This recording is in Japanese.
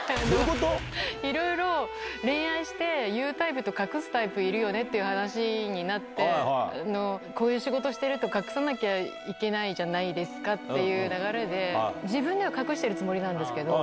いろいろ恋愛して、言うタイプと隠すタイプいるよねって話になって、こういう仕事してると隠さなきゃいけないじゃないですかっていう流れで、自分では隠してるつもりなんですけど。